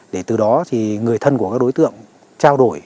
để từ đó thì người thân của các đối tượng trao đổi